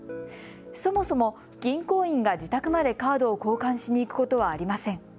そもそも銀行員が自宅までカードを交換しにいくことはありません。